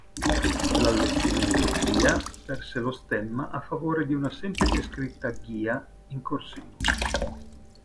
L'allestimento "Ghia" perse lo stemma a favore di una semplice scritta "Ghia" in corsivo.